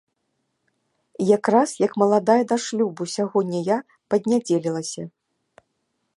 Якраз як маладая да шлюбу, сягоння я паднядзелілася!